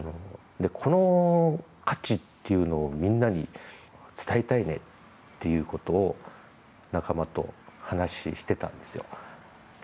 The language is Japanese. この価値っていうのをみんなに伝えたいねっていうことを仲間と話してたんですよ。